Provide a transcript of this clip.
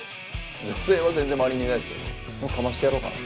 女性は全然周りにいないですけど。